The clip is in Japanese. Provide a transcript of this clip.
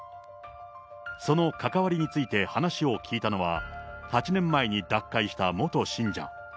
その関わりについて話を聞いたのは、８年前に脱会した元信者。